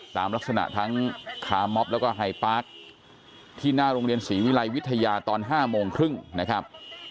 ตามลักษณะทั้งคาร์มอบแล้วก็ไฮปาร์คที่หน้าโรงเรียนศรีวิลัยวิทยาตอน๕โมงครึ่งนะครับ